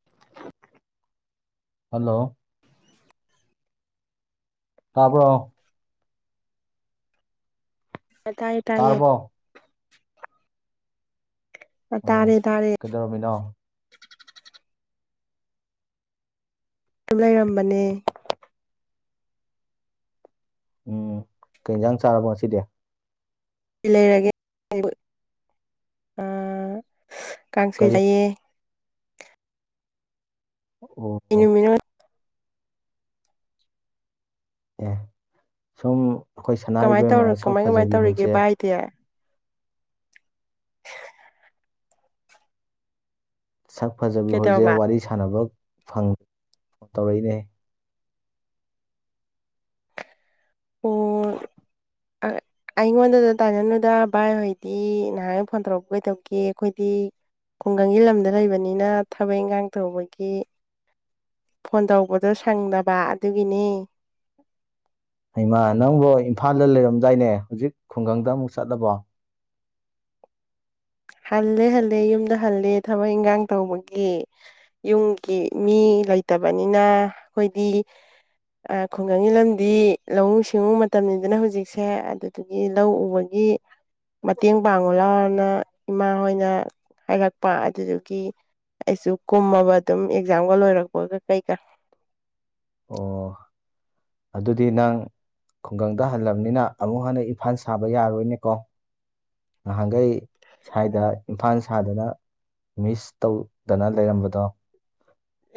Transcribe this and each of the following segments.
[inaudible] Hello ꯇꯕ꯭ꯔꯣ ꯇꯥꯏ ꯇꯥꯔꯕꯣ ꯇꯥꯔꯦ ꯇꯥꯔꯦ ꯔꯝꯃꯤꯅꯣ ꯇꯨꯝ ꯂꯩꯔꯝꯕꯅꯦ ꯎꯝ ꯀꯩ ꯏꯟꯁꯥꯡ ꯆꯥꯔꯕꯣ ꯉꯁꯤꯗꯤ ꯂꯩꯔꯒꯦ [unintelligible] ꯑꯥ ꯀꯥꯡꯁꯣꯏ ꯀꯔꯤ ꯆꯥꯌꯦ ꯑꯣ ꯀꯩ ꯑꯣ ꯅꯨꯃꯤꯠꯅꯣ ꯑꯦ ꯁꯨꯝ ꯑꯩꯈꯣꯏ ꯁꯅꯥ ꯀꯃꯥꯏꯅ ꯏꯕꯦꯝꯃ ꯇꯧꯔ ꯁꯛ ꯀꯃꯥꯏ ꯀꯃꯥꯏꯅ ꯐꯖꯕꯤ ꯍꯣꯏꯖꯦ [unintelligible] ꯁꯛ ꯐꯖꯕꯤ ꯍꯣꯏꯖꯦ ꯀꯩꯗꯧꯔꯕ ꯋꯥꯔꯤ ꯁꯥꯟꯅꯕ ꯐꯪ ꯇꯧꯔꯛꯏꯅꯦ ꯑꯣ ꯑꯩꯉꯣꯟꯗꯗ ꯇꯥꯏꯅꯅꯨꯗ ꯚꯥꯏ ꯍꯣꯏꯗꯤ ꯅꯍꯥꯟꯒꯩ ꯐꯣꯟ ꯇꯧꯔꯛꯄ ꯀꯩꯗꯧꯒꯦ ꯑꯩꯈꯣꯏꯗꯤ ꯈꯨꯡꯒꯪꯒꯤ ꯂꯝꯗ ꯂꯩꯕꯅꯤꯅ ꯊꯕꯛ ꯏꯟꯒꯥꯡ ꯇꯧꯕꯒꯤ ꯐꯣꯟ ꯇꯧꯕꯗꯣ ꯁꯪꯗꯕ ꯑꯗꯨꯒꯤꯅꯤ ꯍꯩꯃꯥ ꯅꯪꯕꯨ ꯏꯝꯐꯥꯜꯗ ꯂꯩꯔꯝꯗꯥꯏꯅꯦ ꯍꯧꯖꯤꯛ ꯈꯨꯡꯒꯪꯗ ꯑꯃꯨꯛ ꯆꯠꯂꯕꯣ ꯍꯜꯂꯦ ꯍꯜꯂꯦ ꯌꯨꯝꯗ ꯍꯜꯂꯦ ꯊꯕꯛ ꯏꯟꯒꯥꯡ ꯇꯧꯕꯒꯤ ꯌꯨꯝꯒꯤ ꯃꯤ ꯂꯩꯇꯕꯅꯤꯅ ꯑꯩꯈꯣꯏꯗꯤ ꯑꯥ ꯈꯨꯡꯒꯪꯒꯤ ꯂꯝꯗꯤ ꯂꯧꯎ ꯁꯤꯡꯎ ꯃꯇꯝꯅꯤꯗꯅ ꯍꯧꯖꯤꯛꯁꯦ ꯑꯗꯨ ꯑꯗꯨꯒꯤ ꯂꯧ ꯎꯕꯒꯤ ꯃꯇꯦꯡ ꯄꯥꯡꯉꯨ ꯂꯥꯎꯅ ꯏꯃꯥ ꯍꯣꯏꯅ ꯍꯥꯏꯔꯛꯄ ꯑꯗꯨꯗꯨꯒꯤ ꯑꯩꯁꯨ ꯀꯨꯝꯃꯕ ꯑꯗꯨꯝ ꯑꯦꯛꯖꯥꯝꯒ ꯂꯣꯏꯔꯛꯄꯒ ꯀꯩꯀꯥ ꯑꯣ ꯑꯗꯨꯗꯤ ꯅꯪ ꯈꯨꯡꯒꯪꯗ ꯍꯜꯂꯕꯅꯤꯅ ꯑꯃꯨꯛ ꯍꯟꯅ ꯏꯝꯐꯥꯜ ꯁꯥꯕ ꯌꯥꯔꯣꯏꯅꯦꯀꯣ ꯅꯍꯥꯟꯒꯩ ꯁ꯭ꯋꯥꯏꯗ ꯏꯝꯐꯥꯜ ꯁꯥꯗꯨꯅ ꯃꯤꯁ ꯇꯧ ꯗꯅ ꯂꯩꯔꯝꯕꯗꯣ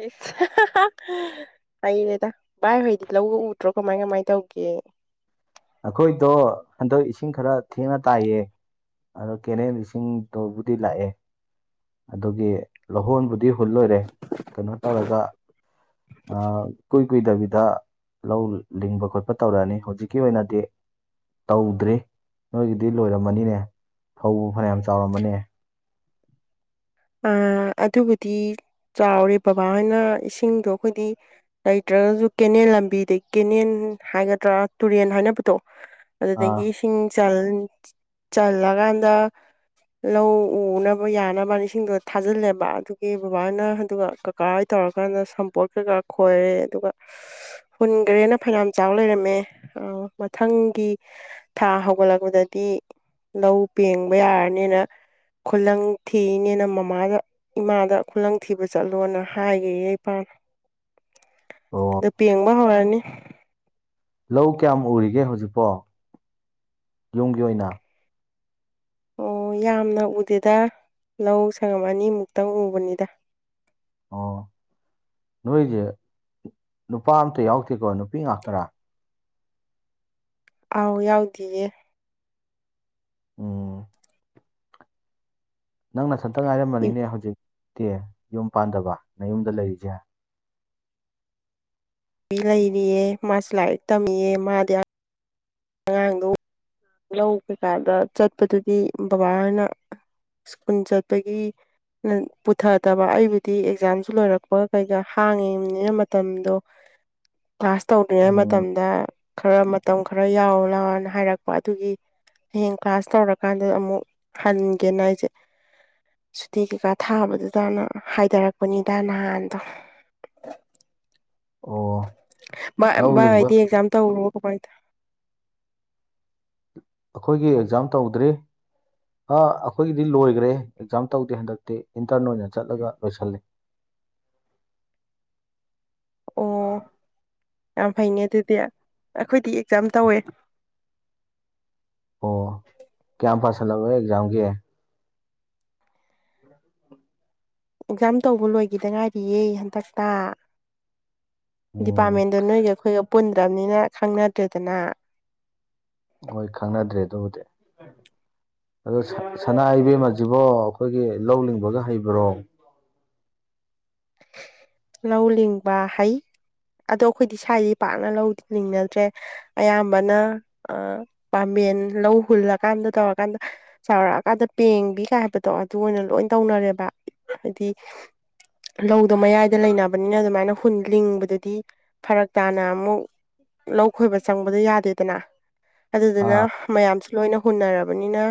ꯏꯁ ꯍꯩꯔꯦꯗ ꯚꯥꯏ ꯍꯣꯏꯗꯤ ꯂꯧꯒ ꯎꯗ꯭ꯔꯣ ꯀꯃꯥꯏ ꯀꯃꯥꯏꯟ ꯇꯧꯒꯦ ꯑꯩꯈꯣꯏꯗꯣ ꯍꯟꯗꯛ ꯏꯁꯤꯡ ꯈꯔ ꯊꯦꯡꯅ ꯇꯥꯏꯌꯦ ꯑꯗꯣ ꯀꯦꯅꯦꯜ ꯏꯁꯤꯡꯗꯨꯕꯨꯗꯤ ꯂꯥꯛꯑꯦ ꯑꯗꯨꯒꯤ ꯂꯧꯍꯣꯟꯕꯨꯗꯤ ꯍꯨꯜ ꯂꯣꯏꯔꯦ ꯀꯩꯅꯣ ꯇꯧꯔꯒ ꯑꯥ ꯀꯨꯏ ꯀꯨꯏꯗꯕꯤꯗ ꯂꯧ ꯂꯤꯡꯕ ꯈꯣꯠꯄ ꯇꯧꯔꯛꯑꯅꯤ ꯍꯧꯖꯤꯛꯀꯤ ꯑꯣꯏꯅꯗꯤ ꯇꯧꯗ꯭ꯔꯤ ꯅꯣꯏꯒꯤꯗꯤ ꯂꯣꯏꯔꯝꯃꯅꯤꯅꯦ ꯐꯧꯕꯨ ꯐꯅꯌꯥꯝ ꯆꯥꯎꯔꯝꯃꯅꯦ ꯑꯥ ꯑꯗꯨꯕꯨꯗꯤ ꯆꯥꯎꯔꯦ ꯕꯕꯥꯍꯣꯏꯅ ꯏꯁꯤꯡꯗꯣ ꯑꯩꯈꯣꯏꯗꯤ ꯂꯩꯇ꯭ꯔꯒꯖꯨ ꯀꯦꯅꯦꯜ ꯂꯝꯕꯤꯗꯩ ꯀꯦꯅꯦꯜ ꯍꯥꯏꯒꯗ꯭ꯔꯥ ꯇꯨꯔꯦꯟ ꯍꯥꯏꯅ ꯄꯗꯣ ꯑꯗꯨꯗꯒꯤ ꯑꯥ ꯏꯁꯤꯡ ꯆꯜ ꯆꯜꯂꯀꯥꯟꯗ ꯂꯧ ꯎꯅꯕ ꯌꯥꯅꯕꯅ ꯁꯤꯡꯗꯣ ꯊꯥꯖꯤꯜꯂꯦꯕ ꯑꯗꯨꯒꯤ ꯕꯕꯥꯍꯣꯏꯅ ꯑꯗꯨꯒ ꯀꯥꯀꯥ ꯍꯣꯏ ꯇꯧꯔꯀꯥꯟꯗ ꯁꯝꯄꯣꯔꯠ ꯀꯩꯀꯥ ꯈꯣꯏꯔꯦ ꯑꯗꯨꯒ ꯍꯨꯟꯈ꯭ꯔꯦꯅ ꯐꯅꯌꯥꯝ ꯆꯥꯎ ꯂꯩꯔꯝꯃꯦ ꯑ ꯃꯊꯪꯒꯤ ꯊꯥ ꯍꯧꯒꯠꯂꯛꯄꯗꯗꯤ ꯂꯧ ꯄꯦꯡꯕ ꯌꯥꯔꯅꯤꯅ ꯈꯨꯜꯂꯪ ꯊꯤꯅꯤꯅ ꯃꯃꯥꯗ ꯏꯃꯥꯗ ꯈꯨꯂꯪ ꯊꯤꯕ ꯆꯠꯂꯣꯅ ꯍꯥꯏꯒꯦ ꯏꯄꯥꯅ ꯑꯣ ꯗ ꯄꯦꯡꯕ ꯍꯧꯔꯅꯤ ꯂꯧ ꯀꯌꯥꯝ ꯎꯔꯤꯒꯦ ꯍꯧꯖꯤꯛꯄꯣ ꯌꯨꯝꯒꯤ ꯑꯣꯏꯅ ꯑꯣ ꯌꯥꯝꯅ ꯎꯗꯦꯗ ꯂꯧ ꯁꯪꯉꯝ ꯑꯅꯤꯃꯨꯛꯇꯪ ꯎꯕꯅꯤꯗ ꯑꯣ ꯅꯣꯏꯁꯦ ꯅꯨꯄꯥ ꯑꯝꯇ ꯌꯥꯎꯗꯦꯀꯣ ꯅꯨꯄꯤ ꯉꯥꯛꯇꯔꯥ ꯑꯥꯎ ꯌꯥꯎꯗꯤꯌꯦ ꯑꯣ ꯅꯪ ꯅꯊꯟꯇ ꯉꯥꯏꯔꯝꯕꯅꯤꯅꯦ ꯏꯕꯤ ꯍꯧꯖꯤꯛꯇꯤ ꯌꯨꯝ ꯄꯥꯟꯗꯕ ꯅꯌꯨꯝꯗ ꯂꯩꯔꯤꯁꯦ ꯂꯩꯔꯤꯑꯦ ꯃꯥꯁꯨ ꯂꯥꯏꯔꯤꯛ ꯇꯝꯃꯤꯑꯦ ꯃꯥꯗꯤ ꯑꯉꯥꯡꯗꯣ ꯂꯧ ꯀꯩꯀꯥꯗ ꯆꯠꯄꯗꯨꯗꯤ ꯕꯕꯥ ꯍꯣꯏꯅ ꯁ꯭ꯀꯨꯜ ꯆꯠꯄꯒꯤ ꯄꯨꯊꯗꯕ ꯑꯩꯕꯨꯗꯤ ꯑꯦꯛꯖꯥꯝꯁꯨ ꯂꯣꯏꯔꯛꯄ ꯀꯩꯀꯥ ꯍꯥꯡꯉꯤꯕꯅꯤꯅ ꯃꯇꯝꯗꯣ [unintelligible] ꯀ꯭ꯂꯥꯁ ꯇꯧꯗ꯭ꯔꯤꯉꯩ ꯎꯝ ꯃꯇꯝꯗ ꯈꯔ ꯃꯇꯝ ꯈꯔ ꯌꯥꯎꯂꯨ ꯂꯥꯎꯅ ꯍꯥꯏꯔꯛ ꯑꯗꯨꯒꯤ ꯍꯌꯦꯡ ꯀ꯭ꯂꯥꯁ ꯇꯧꯔꯀꯥꯟꯗ ꯑꯃꯨꯛ ꯍꯟꯒꯦꯅ ꯑꯩꯁꯦ ꯁꯨꯇꯤ ꯀꯩꯀꯥ ꯊꯥꯕꯗꯨꯗꯅ ꯍꯥꯏꯊꯔꯛꯄꯅꯤꯗ ꯅꯍꯥꯟꯗꯣ ꯑꯣ ꯚ ꯂꯧ ꯚꯥꯏ ꯂꯤꯡꯕ ꯍꯣꯏꯗꯤ ꯑꯦꯛꯖꯥꯝ ꯇꯧꯈꯔꯕꯣ ꯀꯃꯥꯏ ꯇꯧ ꯑꯩꯈꯣꯏꯒꯤ ꯑꯦꯛꯖꯥꯝ ꯇꯧꯗ꯭ꯔꯤ ꯑ ꯑꯩꯈꯣꯏꯒꯤꯗꯤ ꯂꯣꯏꯈ꯭ꯔꯦ ꯑꯦꯛꯖꯥꯝ ꯇꯧꯗꯦ ꯍꯟꯗꯛꯇꯤ ꯏꯟꯇꯔꯟ ꯑꯣꯏꯅ ꯆꯠꯂꯒ ꯂꯣꯏꯁꯜꯂꯤ ꯑꯣ ꯌꯥꯝ ꯐꯩꯅꯦ ꯑꯗꯨꯗꯤ ꯑꯩꯈꯣꯏꯗꯤ ꯑꯦꯛꯖꯥꯝ ꯇꯧꯋꯦ ꯑꯣ ꯀꯌꯥꯝ ꯄꯥꯁꯜꯂꯥꯕ ꯑꯦꯛꯖꯥꯝꯒꯤ ꯎꯝ ꯑꯦꯛꯖꯥꯝ ꯇꯧꯕ ꯂꯣꯏꯈꯤꯗ ꯉꯥꯏꯔꯤꯌꯦ ꯍꯟꯗꯛꯇ ꯎꯝ ꯗꯤꯄꯥꯔꯠꯃꯦꯟꯗꯣ ꯅꯣꯏꯒ ꯑꯩꯈꯣꯏꯒ ꯄꯨꯟꯄꯗ꯭ꯔꯕꯅꯤꯅ ꯈꯪꯅꯗ꯭ꯔꯦꯗꯅ ꯍꯣꯏ ꯈꯪꯅꯗ꯭ꯔꯦ ꯑꯗꯨꯕꯨꯗꯤ ꯑꯗꯣ ꯁ ꯁꯅꯥ ꯏꯕꯦꯝꯃ ꯑꯁꯤꯕꯣ ꯑꯩꯈꯣꯏꯒꯤ ꯂꯧ ꯂꯤꯡꯕꯒ ꯍꯩꯕ꯭ꯔꯣ ꯂꯧ ꯂꯤꯡꯕ ꯍꯩ ꯑꯗꯣ ꯑꯩꯈꯣꯏꯗꯤ ꯁ꯭ꯋꯥꯏꯗꯤ ꯄꯥꯛꯅ ꯂꯧꯅꯤꯡꯅꯗ꯭ꯔꯦ ꯑꯌꯥꯝꯕꯅ ꯄꯥꯝꯕꯦꯟ ꯂꯧ ꯍꯨꯜꯂꯀꯥꯟꯗ ꯇꯧꯔꯀꯥꯟꯗ ꯆꯥꯎꯔꯛꯑꯀꯥꯟꯗ ꯄꯦꯡꯕꯤ ꯀꯥꯏ ꯍꯥꯏꯕꯗꯣ ꯑꯗꯨ ꯑꯣꯏꯅ ꯂꯣꯏ ꯇꯧꯅꯔꯦꯕ ꯍꯥꯏꯗꯤ ꯂꯧꯗꯣ ꯃꯌꯥꯏꯗ ꯂꯩꯅꯕꯅꯤꯅ ꯑꯗꯨꯃꯥꯏꯅ ꯍꯨꯟ ꯂꯤꯡꯕꯗꯨꯗꯤ ꯐꯔꯛ ꯇꯥꯅ ꯑꯃꯨꯛ ꯂꯧ ꯈꯣꯏꯕ ꯆꯪꯕꯗꯣ ꯌꯥꯗꯦꯗꯅ ꯑꯗꯨꯗꯨꯅ ꯑꯥ ꯃꯌꯥꯝꯁꯨ ꯂꯣꯏꯅ ꯍꯨꯟꯅꯔꯕꯅꯤꯅ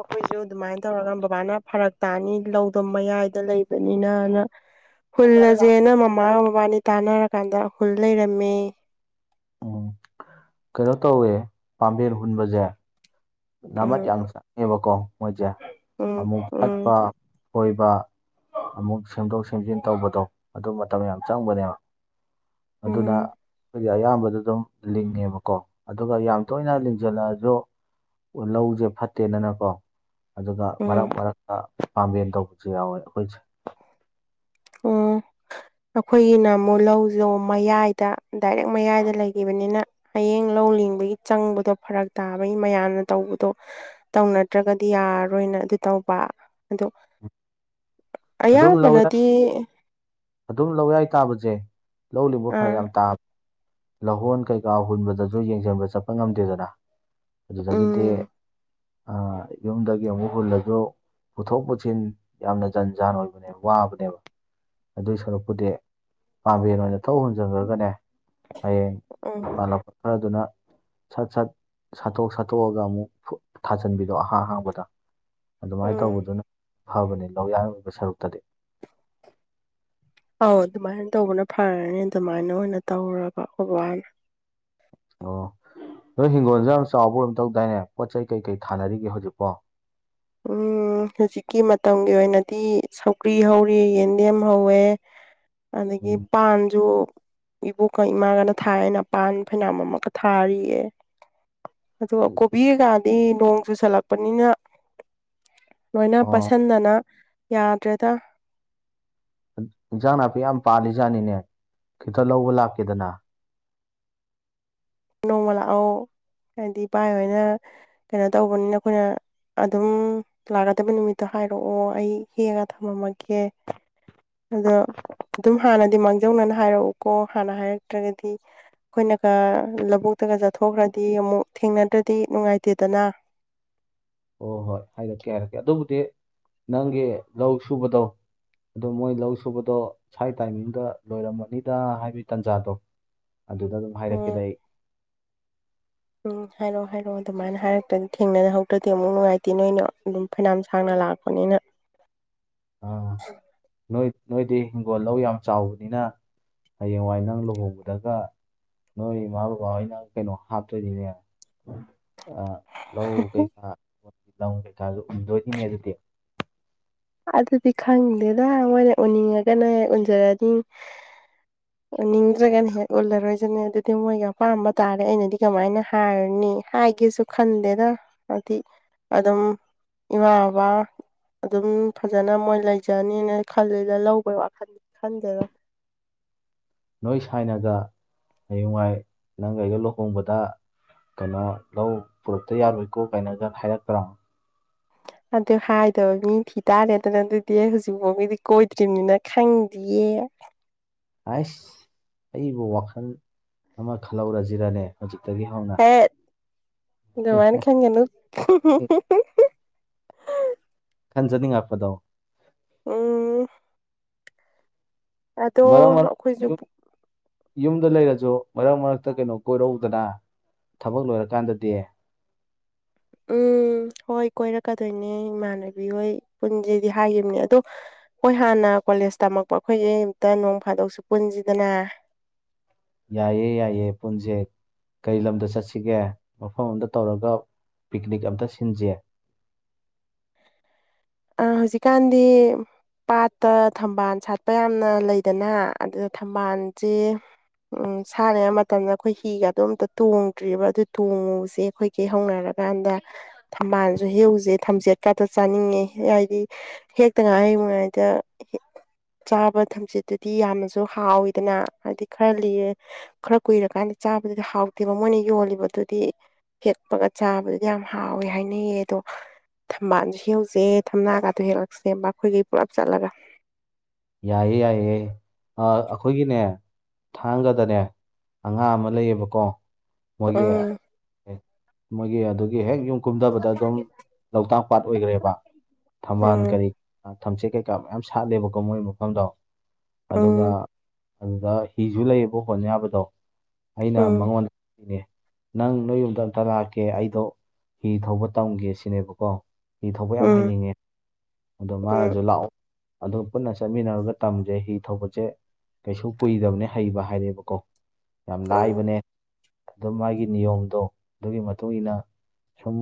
ꯑꯩꯈꯣꯏꯁꯨ ꯑꯗꯨꯃꯥꯏꯅ ꯇꯧꯔꯒ ꯕꯕꯥꯅ ꯐꯔꯛ ꯇꯥꯅꯤ ꯂꯧꯗꯣ ꯃꯌꯥꯏꯗ ꯂꯩꯕꯅꯤꯅꯅ ꯍꯨꯜꯂꯁꯦꯅ ꯃꯃꯥꯒ ꯃꯕꯥꯅꯤ ꯇꯥꯟꯅꯔꯀꯥꯟꯗ ꯍꯨꯜ ꯂꯩꯔꯝꯃꯦ ꯎꯝ ꯀꯩꯅꯣ ꯇꯧꯋꯦ ꯄꯥꯝꯕꯦꯟ ꯍꯨꯟꯕꯁꯦ ꯅꯥꯃꯠ ꯎꯝ ꯌꯥꯝ ꯆꯪꯉꯦꯕꯀꯣ ꯃꯣꯏꯁꯦ ꯎꯝ ꯑꯃꯨꯛ ꯎꯝ ꯆꯠꯄ ꯀꯣꯏꯕ ꯑꯃꯨꯛ ꯁꯦꯝꯗꯣꯛ ꯁꯦꯝꯖꯤꯟ ꯇꯧꯕꯗꯣ ꯑꯗꯨ ꯃꯇꯝ ꯌꯥꯝ ꯆꯪꯕꯅꯦꯕ ꯑꯗꯨꯅ ꯎꯝ ꯑꯩꯒꯤ ꯑꯌꯥꯝꯕꯗ ꯑꯗꯨꯝ ꯂꯤꯡꯉꯦꯕꯀꯣ ꯑꯗꯨꯒ ꯌꯥꯝ ꯇꯣꯏꯅ ꯂꯤꯡꯁꯤꯜꯂꯛꯑꯁꯨ ꯂꯧꯁꯦ ꯐꯠꯇꯦꯅꯅꯀꯣ ꯑꯗꯨꯒ ꯎꯝ ꯃꯔꯛ ꯃꯔꯛꯇ ꯄꯥꯝꯕꯦꯟ ꯇꯧꯕꯁꯨ ꯌꯥꯎꯋꯦ ꯑꯩꯈꯣꯏꯁꯦ ꯎꯝ [inaudible] ꯑꯩꯈꯣꯏꯒꯤꯅ ꯑꯃꯨꯛ ꯂꯧꯁꯦ ꯃꯌꯥꯏꯗ ꯗꯥꯏꯔꯦꯛ ꯃꯌꯥꯏꯗ ꯂꯩꯈꯤꯕꯅꯤꯅ ꯍꯌꯦꯡ ꯂꯧ ꯂꯤꯡꯕꯒꯤ ꯆꯪꯕꯗꯣ ꯐꯔꯛ ꯇꯥꯕꯒꯤ ꯃꯌꯥꯝꯅ ꯇꯧꯕꯗꯣ ꯇꯧꯅꯗ꯭ꯔꯒꯗꯤ ꯌꯥꯔꯣꯏꯅ ꯑꯗꯨ ꯇꯧꯕ ꯑꯣ ꯑꯗꯨꯝ ꯂꯧꯌꯥꯏ ꯑꯌꯥꯝꯕꯅꯗꯤ ꯑꯗꯨꯝ ꯂꯧ ꯌꯥꯏ ꯇꯥꯕꯁꯦ ꯂꯧ ꯂꯤꯡꯕ ꯐꯔꯛ ꯑꯥ ꯌꯥꯝ ꯇꯥꯕ ꯂꯧꯍꯣꯟ ꯀꯩꯀꯥ ꯍꯨꯟꯕꯗꯁꯨ ꯌꯦꯡꯁꯤꯟꯕ ꯆꯠꯄ ꯉꯝꯗꯦꯗꯅ ꯑꯗꯨꯗꯒꯤꯗꯤ ꯎꯝ ꯑ ꯌꯨꯝꯗꯒꯤ ꯑꯃꯨꯛ ꯍꯨꯜꯂꯁꯨ ꯄꯨꯊꯣꯛ ꯄꯨꯁꯤꯟ ꯌꯥꯝꯅ ꯖꯟ ꯖꯥꯟ ꯑꯣꯏꯕꯅꯦ ꯋꯥꯕꯅꯦꯕ ꯑꯗꯨꯏ ꯁꯔꯨꯛꯄꯨꯗꯤ ꯄꯥꯝꯕꯦꯟ ꯑꯣꯏꯅ ꯊꯧ ꯍꯨꯟꯖꯟꯈ꯭ꯔꯒꯅꯦ ꯍꯌꯦꯡ ꯎꯝ ꯏꯃꯥꯟꯅꯕ ꯈꯔꯗꯨꯅ ꯁꯠ ꯁꯠ ꯁꯥꯠꯇꯣꯛ ꯁꯥꯠꯇꯣꯛꯑꯒ ꯑꯃꯨꯛ ꯊꯥꯖꯟꯕꯤꯗꯣ ꯑꯍꯥꯡꯍꯥꯡꯕꯗ ꯑꯗꯨꯃꯥꯏꯅ ꯎꯝ ꯇꯧꯕꯗꯨꯅ ꯐꯕꯅꯤ ꯂꯧ ꯌꯥꯅꯤꯡꯕ ꯁꯔꯨꯛꯇꯗꯤ ꯑꯧ ꯑꯗꯨꯃꯥꯏꯅ ꯇꯧꯕꯅ ꯐꯔꯅꯤ ꯑꯗꯨꯃꯥꯏꯅ ꯑꯣꯏꯅ ꯇꯧꯔꯒ ꯕꯥ ꯑꯣ ꯅꯣꯏ ꯍꯤꯡꯒꯣꯜꯁꯨ ꯌꯥꯝ ꯆꯥꯎꯕ ꯑꯣꯏꯅ ꯇꯧꯗꯥꯏꯅꯦ ꯄꯣꯠ ꯆꯩ ꯀꯩꯀꯩ ꯊꯥꯅꯔꯤꯒꯦ ꯍꯧꯖꯤꯛꯄꯣ ꯎꯝ ꯍꯧꯖꯤꯛꯀꯤ ꯃꯇꯝꯒꯤ ꯑꯣꯏꯅꯗꯤ ꯁꯧꯀ꯭ꯔꯤ ꯍꯧꯔꯤ ꯌꯦꯟꯗꯦꯝ ꯍꯧꯋꯦ [inaudible] ꯑꯗꯒꯤ ꯄꯥꯟꯁꯨ ꯏꯕꯣꯛꯀ ꯏꯃꯥꯒꯅ ꯊꯥꯏ ꯑ ꯅꯄꯥꯟ ꯐꯅꯝ ꯑꯃꯛꯀ ꯊꯥꯔꯤꯌꯦ ꯑ ꯎꯝ. ꯀꯣꯕꯤ ꯀꯩꯀꯥꯗꯤ ꯅꯣꯡ ꯆꯨꯁꯜꯂꯛꯄꯅꯤꯅ ꯂꯣꯏꯅ ꯑꯣ ꯄꯁꯤꯟꯗꯅ ꯌꯥꯗ꯭ꯔꯦꯗ ꯏꯟꯖꯥꯡ ꯅꯥꯄꯤ ꯌꯥꯝ ꯄꯥꯜꯂꯤꯖꯥꯠꯅꯤꯅꯦ ꯈꯤꯇ ꯂꯧꯕ ꯂꯥꯛꯀꯦꯗꯅ ꯅꯣꯡꯃ ꯂꯥꯛꯑꯣ ꯍꯥꯏꯗꯤ ꯏꯚꯥꯏ ꯍꯣꯏꯅ ꯀꯩꯅꯣ ꯇꯧꯕꯅꯤꯅ ꯑꯩꯈꯣꯏꯅ ꯑꯗꯨꯝ ꯂꯥꯛꯀꯗꯕ ꯅꯨꯃꯤꯠꯇꯣ ꯍꯥꯏꯔꯛꯑꯣ ꯑꯩ ꯍꯦꯛꯒ ꯊꯝꯃꯝꯃꯒꯦ ꯑꯗꯣ ꯑꯗꯨꯝ ꯍꯥꯟꯅꯗꯤ ꯃꯥꯡ ꯖꯧꯅꯅ ꯍꯥꯏꯔꯛꯎꯀꯣ ꯍꯥꯟꯅ ꯍꯥꯏꯔꯛꯇ꯭ꯔꯒꯗꯤ ꯑꯩꯈꯣꯏꯅꯒ ꯂꯧꯕꯨꯛꯇꯒ ꯆꯠꯊꯣꯛꯈ꯭ꯔꯗꯤ ꯑꯃꯨꯛ ꯊꯦꯡꯅꯗ꯭ꯔꯗꯤ ꯅꯨꯡꯉꯥꯏꯇꯦꯗꯅ ꯑꯣ ꯍꯣꯏ ꯍꯥꯏꯔꯛꯀꯦ ꯍꯥꯏꯔꯛꯀꯦ ꯑꯗꯨꯕꯨꯗꯤ ꯅꯪꯒꯤ ꯂꯧ ꯁꯨꯕꯗꯣ ꯑꯗꯣ ꯃꯣꯏ ꯂꯧ ꯁꯨꯕꯗꯣ ꯁ꯭ꯋꯥꯥꯏ ꯇꯥꯏꯃꯤꯡꯗ ꯂꯣꯏꯔꯝꯃꯅꯤꯗ ꯍꯥꯏꯕꯒꯤ ꯇꯥꯟꯖꯥꯗꯣ ꯑꯗꯨꯗ ꯑꯗꯨꯝ ꯍꯥꯏꯔꯛꯈꯤꯦꯗ ꯎꯝ ꯑꯩ ꯎꯝ ꯍꯥꯏꯔꯛꯑꯣ ꯍꯥꯏꯔꯛꯑꯣ ꯑꯗꯨꯃꯥꯏꯅ ꯍꯥꯏꯔꯛꯇꯗꯤ ꯊꯦꯡꯅꯍꯧꯗ꯭ꯔꯗꯤ ꯑꯃꯨꯛ ꯅꯨꯡꯉꯥꯏꯇꯦ ꯅꯣꯏꯅ ꯑꯗꯨꯝ ꯐꯩꯅꯌꯥꯝ ꯁꯥꯡꯅ ꯂꯥꯛꯄꯅꯤꯅ ꯑꯥ [inaudible] ꯅꯣꯏ ꯅꯣꯏꯗꯤ ꯍꯤꯡꯒꯣꯜ ꯂꯧ ꯌꯥꯝ ꯆꯥꯎꯕꯅꯤꯅ ꯍꯌꯦꯡꯋꯥꯏ ꯅꯪ ꯂꯨꯍꯧꯕꯗꯒ ꯅꯣꯏ ꯏꯃꯥ ꯕꯕꯥꯍꯣꯏꯅ ꯀꯩꯅꯣ ꯍꯥꯞꯇꯣꯏꯔꯤꯅꯦ ꯂꯧ ꯀꯩꯀꯥ ꯂꯧ ꯀꯩꯀꯥꯗꯨ ꯎꯟꯗꯣꯏꯒꯤꯅꯦ ꯑꯗꯨꯗꯤ ꯑꯗꯨꯗꯤ ꯈꯪꯗꯦꯗ ꯃꯣꯏꯅ ꯎꯅꯤꯡꯉꯒꯅ ꯍꯦꯛ ꯎꯟꯖꯔꯅꯤ [inaudible] ꯅꯤꯡꯗ꯭ꯔꯒꯅ ꯍꯦꯛ ꯎꯜꯂꯔꯣꯏꯁꯤꯅꯦ ꯑꯗꯨꯗꯤ ꯃꯣꯏꯒꯤ ꯑꯄꯥꯝꯕ ꯇꯥꯔꯦ ꯑꯩꯅꯗꯤ ꯀꯃꯥꯏꯅ ꯍꯥꯏꯔꯅꯤ ꯍꯥꯏꯒꯦꯁꯨ ꯈꯟꯗꯦꯅ ꯍꯥꯏꯗꯤ ꯑꯗꯨꯝ ꯏꯃꯥ ꯕꯕꯥ ꯑꯗꯨꯝ ꯐꯖꯅ ꯃꯣꯏ ꯂꯩꯖꯅꯤꯅ ꯈꯜꯂꯤꯅ ꯂꯧꯕꯩ ꯋꯥꯈꯜꯗꯤ ꯈꯟꯗꯦꯔ ꯅꯣꯏ ꯁꯥꯏꯅꯒ ꯍꯌꯨꯉꯥꯏ ꯂꯪꯒꯩꯒ ꯂꯨꯍꯣꯡꯕꯗ ꯀꯟꯅ ꯂꯧ ꯄꯨꯔꯛꯇ ꯌꯥꯔꯣꯏꯀꯣ ꯀꯥꯏꯅꯒ ꯍꯥꯏꯔꯛꯇ꯭ꯔꯥ ꯑꯗꯨ ꯍꯥꯏꯗꯣꯏ ꯃꯤ ꯊꯤ ꯇꯥꯔꯦꯗꯅ ꯑꯗꯨꯗꯤ ꯍꯧꯖꯤꯛꯐꯥꯎ ꯒꯤꯗꯤ ꯀꯣꯏꯗ꯭ꯔꯤꯃꯤꯅꯤꯅ ꯈꯪꯗꯌꯦ ꯑꯩꯁ ꯑꯩꯕꯨ ꯋꯥꯈꯜ ꯑꯃ ꯈꯜꯍꯧꯔꯁꯤꯔꯅꯦ ꯍꯧꯖꯤꯛꯇꯒꯤ ꯍꯧꯅ ꯍꯦꯏꯠ ꯗꯣꯃꯥꯏꯅ ꯈꯟꯒꯅꯨ ꯍꯨꯝ ꯑꯟꯖꯅꯤꯉꯛꯄꯥꯗꯣ ꯎꯝ ꯑꯗꯣ ꯃꯔꯛ ꯃꯔꯛ ꯑꯩꯈꯣꯏꯁꯨ ꯌꯨꯝꯗ ꯂꯩꯔꯁꯨ ꯃꯔꯛ ꯃꯔꯛꯇ ꯀꯩꯅꯣ ꯀꯣꯏꯔꯧꯗꯅ ꯊꯕꯛ ꯂꯣꯏꯔꯀꯥꯟꯗꯗꯤ ꯎꯝ ꯍꯣꯏ ꯀꯣꯏꯔꯛꯀꯗꯣꯏꯅꯦ ꯏꯃꯥꯟꯅꯕꯤ ꯍꯣꯏ ꯄꯨꯟꯁꯦꯗꯤ ꯍꯥꯏꯈꯤꯕꯅꯦ ꯑꯗꯣ ꯑꯩꯈꯣꯏ ꯍꯥꯟꯅ ꯀꯣꯂꯦꯖ ꯇꯝꯃꯛꯄ ꯑꯩꯈꯣꯏꯒꯤ ꯑꯨꯛꯇ ꯅꯣꯡ ꯐꯥꯗꯣꯛꯁꯨ ꯄꯨꯟꯁꯤꯗꯅ ꯌꯥꯏꯌꯦ ꯌꯥꯏꯌꯦ ꯄꯨꯟꯁꯦ ꯀꯔꯤ ꯂꯝꯗ ꯆꯠꯁꯤꯒꯦ ꯃꯐꯝ ꯑꯃꯗ ꯇꯧꯔꯒ ꯄꯤꯛꯅꯤꯛ ꯑꯝꯇ ꯁꯤꯟꯁꯦ ꯑꯥ ꯍꯧꯖꯤꯛꯀꯥꯟꯗꯤ ꯄꯥꯠꯇ ꯊꯝꯕꯥꯜ ꯁꯥꯠꯄ ꯌꯥꯝꯅ ꯂꯩꯗꯅ ꯑꯗꯨ ꯊꯝꯕꯥꯜꯆꯦ ꯎꯝ ꯁꯥꯔꯤꯉꯩ ꯃꯇꯝꯗ ꯑꯩꯈꯣꯏ ꯍꯤꯒ ꯗꯨ ꯑꯝꯇ ꯇꯣꯡꯗ꯭ꯔꯤꯕ ꯑꯗꯨ ꯇꯣꯡꯉꯨꯁꯦ ꯑꯩꯈꯣꯏ ꯍꯦ ꯍꯧꯅꯔꯀꯥꯟꯗ ꯊꯝꯕꯥꯜꯁꯨ ꯍꯦꯛ ꯎꯖꯦ ꯊꯝꯖꯦꯠꯀꯗꯨ ꯆꯥꯅꯤꯡꯉꯦ ꯍꯦ ꯑꯏ ꯗꯤ ꯍꯦꯛꯇ ꯉꯥꯏꯔꯤ ꯃꯉꯩꯗ ꯆꯥꯕ ꯊꯝꯆꯠꯇꯨꯗꯤ ꯌꯥꯝꯅꯁꯨ ꯍꯥꯎꯋꯤꯗꯅ ꯍꯥꯏꯗꯤ ꯈꯔ ꯂꯤꯔꯥ ꯈꯔ ꯀꯨꯏꯔꯀꯥꯟꯗ ꯆꯥꯕꯗꯨꯗꯤ ꯍꯥꯎꯇꯦꯕ ꯃꯣꯏꯅ ꯌꯣꯜꯂꯤꯕꯗꯨꯗꯤ ꯍꯦꯛꯄꯒ ꯆꯥꯕꯗꯨꯗꯤ ꯌꯥꯝ ꯍꯥꯎꯋꯦ ꯍꯥꯏꯅꯩꯌꯦ ꯑꯗꯣ ꯊꯝꯕꯥꯜꯁꯨ ꯍꯦꯛ ꯎꯖꯦ ꯊꯝꯅꯥꯒꯗꯣ ꯍꯦꯛꯂꯛ ꯁꯦꯕ ꯑꯩꯈꯣꯏꯒꯤ ꯄꯨꯂꯞ ꯆꯠꯂꯒ ꯌꯥꯏꯌꯦꯦ ꯌꯥꯏꯌꯦ ꯑꯥ ꯑꯩꯈꯣꯏꯒꯤꯅꯦ ꯊꯥꯡꯒꯗꯅꯦ ꯑꯉꯥꯡ ꯑꯃ ꯂꯩꯌꯦꯕꯀꯣ ꯃꯣꯏꯒꯤ ꯎꯝ ꯃꯣꯏꯒꯤ ꯑꯗꯨꯒꯤ ꯍꯦꯛ ꯌꯨꯝ ꯀꯨꯝꯗꯕꯗ ꯑꯗꯨꯝ ꯂꯣꯛꯇꯥꯛ ꯄꯥꯠ ꯑꯣꯏꯈ꯭ꯔꯦꯕ ꯊꯝꯕꯥꯜ ꯎꯝ ꯀꯔꯤ ꯊꯝꯆꯦꯠ ꯀꯩꯀꯥ ꯃꯌꯥꯝ ꯁꯥꯠꯂꯦꯕꯀꯣ ꯃꯣꯏ ꯃꯐꯝꯗꯣ ꯑꯗꯨꯒ ꯎꯝ ꯑꯗꯨꯗ ꯍꯤꯁꯨ ꯂꯩꯌꯦꯕ ꯍꯣꯟꯅ ꯌꯥꯕꯗꯣ ꯑꯩꯅ ꯎꯝ ꯃꯉꯣꯟ ꯅꯦ ꯅꯪ ꯅꯣꯏ ꯌꯨꯝꯗ ꯑꯝꯇ ꯂꯥꯛꯀꯦ ꯑꯩꯗꯣ ꯍꯤ ꯊꯧꯕ ꯇꯝꯒꯦ ꯁꯤꯅꯦꯕꯀꯣ ꯍꯤ ꯊꯧꯕ ꯌꯥꯝ ꯎꯝ ꯍꯩꯅꯤꯡꯉꯦ ꯑꯗꯣ ꯎꯝ ꯃꯥꯖꯨ ꯂꯥꯛꯑꯣ ꯑꯗꯨ ꯄꯨꯟꯅ ꯆꯠꯃꯤꯟꯅꯔꯒ ꯇꯝꯁꯦ ꯍꯤ ꯊꯧꯕꯆꯦ ꯀꯩꯁꯨ ꯀꯨꯏꯗꯕꯅꯦ ꯍꯩꯕ ꯍꯥꯏꯔꯦꯕꯀꯣ ꯌꯥꯝ ꯅꯥꯏꯕꯅꯦ ꯑꯗꯨ ꯃꯥꯒꯤ ꯅꯤꯌꯣꯝꯗꯣ ꯑꯗꯨꯒꯤ ꯃꯇꯨꯡ ꯏꯟꯅ ꯁꯨꯝ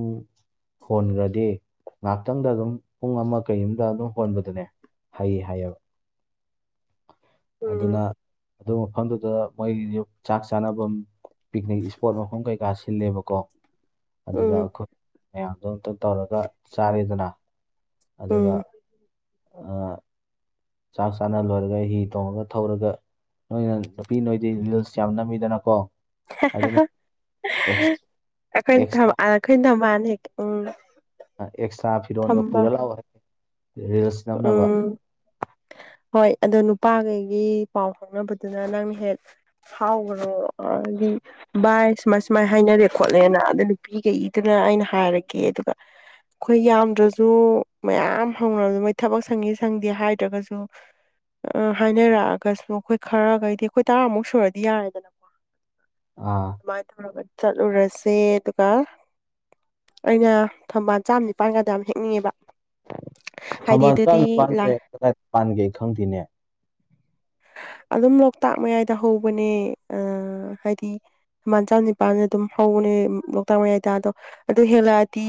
ꯍꯣꯟꯒꯗꯤ ꯉꯥꯛꯇꯪꯗ ꯑꯗꯨꯝ ꯄꯨꯡ ꯑꯃ ꯀꯩ ꯑꯣꯝꯗ ꯑꯗꯨꯝ ꯍꯣꯟꯕꯗꯅꯦ ꯍꯩ ꯍꯥꯏꯌꯦ ꯕꯥ ꯎꯝ ꯑꯗꯨꯅ ꯎꯝ ꯗꯨ ꯃꯐꯝꯗꯨꯗ ꯃꯣꯏꯒꯤꯖꯨ ꯆꯥꯛ ꯆꯥꯅꯐꯝ ꯄꯤꯛꯅꯤꯛ ꯏꯁꯄꯣꯠ ꯃꯐꯝ ꯀꯩꯀꯥ ꯁꯤꯜꯂꯦꯕꯀꯣ ꯑꯗꯨꯗ ꯎꯝ ꯑꯩꯈꯣꯏ ꯃꯌꯥꯝꯗꯣ ꯑꯝꯇ ꯇꯧꯔꯒ ꯆꯥꯔꯦꯗꯅ ꯑꯗꯨꯒ ꯎꯝ ꯑ ꯆꯥꯛ ꯆꯥꯅ ꯂꯣꯏꯔꯒ ꯍꯤ ꯇꯣꯡꯉꯒ ꯊꯧꯔꯒ ꯅꯣꯏꯅ ꯅꯨꯄꯤ ꯅꯣꯏꯗꯤ ꯂꯤꯜꯁ ꯌꯥꯝ ꯅꯝꯃꯤꯗꯅ ꯀꯣ ꯍꯦ ꯍꯦ ꯑꯩꯈꯣꯏꯅ ꯊꯥꯃ ꯑꯦꯛꯁꯇ꯭ꯔꯥ ꯑꯩꯈꯣꯏ ꯊꯃꯜ ꯍꯦꯛ ꯎꯝ ꯑꯦꯁꯠꯇ꯭ꯔꯥ ꯐꯔꯣꯟꯒ ꯄꯨꯔꯥ ꯂꯛ ꯑꯣ ꯍꯦ ꯔꯤꯜꯁ ꯅꯝꯅꯕ ꯑꯥꯃ ꯍꯣꯏ ꯑꯗꯣ ꯅꯨꯄꯥꯈꯩꯒꯤ ꯄꯥꯎ ꯐꯥꯎꯅꯕꯗꯨꯅ ꯅꯪꯅ ꯍꯦꯛ ꯐꯧꯈ꯭ꯔꯣ ꯑꯗꯤ ꯚꯏ ꯁꯨꯃꯥꯏ ꯁꯨꯃꯥꯏ ꯍꯥꯏꯅꯔꯦ ꯈꯣꯠꯂꯦꯅ ꯑꯗ ꯅꯨꯄꯤꯒꯩ ꯏꯗꯨꯅ ꯑꯩꯅ ꯍꯥꯏꯔꯛꯒꯦ ꯑꯗꯨꯒ ꯑꯩꯈꯣꯏ ꯌꯥꯝꯗ꯭ꯔꯁꯨ ꯃꯌꯥꯝ ꯍꯧꯅꯔꯕꯗ ꯃꯣꯏ ꯊꯕꯛ ꯁꯪꯉꯤ ꯁꯪꯗꯦ ꯍꯥꯏꯗ꯭ꯔꯒꯁꯨ ꯑ ꯍꯥꯏꯅꯔꯛꯑꯒꯁꯨ ꯑꯩꯈꯣꯏ ꯈꯔꯈꯩꯗꯤ ꯑꯩꯈꯣꯏ ꯇꯔꯥꯃꯨꯛ ꯁꯨꯔꯗꯤ ꯌꯥꯔꯦꯗꯅꯀꯣ ꯑꯥ ꯑꯗꯨꯃꯥꯏꯅ ꯇꯧꯔꯒ ꯆꯠꯂꯨꯔꯁꯦ ꯑꯗꯨꯒ ꯑꯩꯅ ꯊꯝꯕꯥꯜ ꯆꯥꯝ ꯅꯤꯄꯥꯟꯒꯗ ꯌꯥꯝ ꯍꯦꯛꯅꯤꯡꯉꯦꯕ ꯍꯥꯏꯗꯤ ꯊꯝꯕꯥꯜ ꯆꯥ ꯑꯗꯨꯗꯤ ꯂꯥꯏ ꯅꯤꯄꯥꯟꯁꯦ ꯀꯗꯥꯏ ꯄꯥꯟꯒꯦ ꯈꯪꯗꯦꯅꯦ ꯑꯗꯨꯝ ꯂꯣꯛꯇꯥꯛ ꯃꯌꯥꯏꯗ ꯍꯧꯕꯅꯦ ꯑ ꯍꯥꯏꯗꯤ ꯃꯥꯟ ꯆꯥꯝ ꯅꯤꯄꯥꯜ ꯑꯗꯨꯝ ꯍꯧꯕꯅꯦ ꯂꯣꯛꯇꯥꯛ ꯃꯌꯥꯏ ꯇꯥꯗꯣ ꯑꯗꯨ ꯍꯦꯜꯂꯛꯑꯗꯤ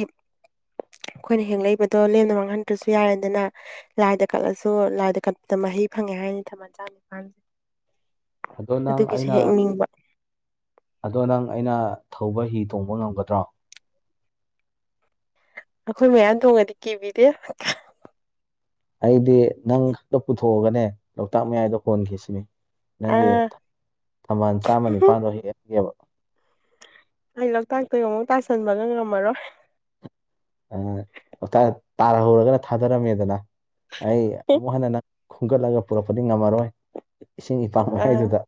ꯑꯩꯈꯣꯏꯅ ꯍꯦꯡꯂꯛꯏꯕꯗꯣ ꯂꯦꯝꯅ ꯃꯥꯡꯍꯟꯗ꯭ꯔꯁꯨ ꯌꯥꯔꯦ ꯑꯗꯨꯅ ꯂꯥꯏꯗ ꯀꯠꯂꯁꯨ ꯂꯥꯏꯗ ꯀꯠꯄꯗ ꯃꯍꯩ ꯐꯪꯉꯦ ꯍꯥꯏꯅꯤ ꯊꯝꯕꯥꯟ ꯆꯥꯝꯅꯤꯄꯥꯁꯦ ꯑꯗꯣ ꯅꯪ ꯑꯗꯨꯒꯤꯁꯨ ꯑꯩꯅ ꯍꯦꯛꯅꯤꯡꯕ ꯑꯗꯣ ꯅꯪ ꯑꯩꯅ ꯊꯧꯕ ꯍꯤ ꯇꯣꯡꯕ ꯉꯝꯒꯗ꯭ꯔꯣ ꯑꯩꯈꯣꯏ ꯃꯌꯥꯝ ꯇꯣꯡꯉꯗꯤ ꯀꯤꯕꯤꯗꯦ ꯑꯩꯗꯤ ꯅꯪꯈꯛꯇ ꯄꯨꯊꯣꯛꯑꯒꯅꯦ ꯂꯣꯛꯇꯥꯛ ꯃꯌꯥꯏꯗ ꯍꯣꯟꯒꯦꯁꯤꯅꯦ ꯅꯪꯒꯤ ꯑꯥ ꯊꯝꯕꯥꯜ ꯆꯥꯃ ꯅꯤꯄꯥꯜꯗꯣ ꯍꯦꯛꯑꯒꯦꯕ ꯑꯩ ꯂꯣꯛꯇꯥꯛꯇꯒ ꯑꯃꯨꯛ ꯇꯥꯁꯟꯕꯒ ꯉꯝꯃꯔꯣꯏ ꯇꯥꯍꯧꯔꯒꯅ ꯊꯥꯗꯔꯝꯃꯦꯗꯅ ꯑꯩ ꯑꯃꯨꯛ ꯍꯟꯅ ꯅꯪ ꯈꯣꯝꯒꯠꯂꯒ ꯄꯨꯔꯛꯄꯗꯤ ꯉꯝꯃꯔꯣꯏ ꯏꯁꯤꯡ ꯏꯄꯥꯛ ꯑꯥ ꯃꯌꯥꯥꯏꯗꯨꯗ